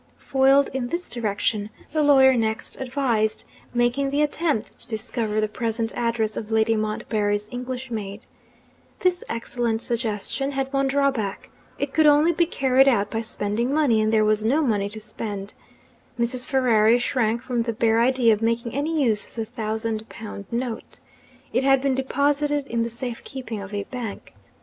Foiled in this direction, the lawyer next advised making the attempt to discover the present address of Lady Montbarry's English maid. This excellent suggestion had one drawback: it could only be carried out by spending money and there was no money to spend. Mrs. Ferrari shrank from the bare idea of making any use of the thousand pound note. It had been deposited in the safe keeping of a bank.